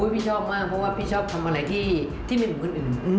พี่ชอบมากเพราะว่าพี่ชอบทำอะไรที่ไม่เหมือนคนอื่น